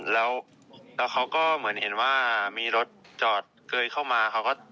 แล้วเขาก็เหมือนเห็นว่ามีรถจอดเกยเข้ามาเขาก็